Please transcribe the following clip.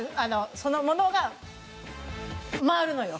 そのものが回るのよ。